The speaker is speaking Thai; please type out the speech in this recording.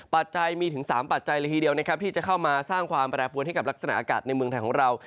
จัยมีถึง๓ปัจจัยละทีเดียวนะครับที่จะเข้ามาสร้างความแปรปวนให้กับลักษณะอากาศในเมืองไทยของเรา